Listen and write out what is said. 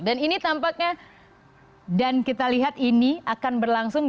dan ini tampaknya dan kita lihat ini akan berlangsung